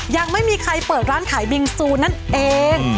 ยังไม่มีใครเปิดร้านขายบิงซูนั่นเอง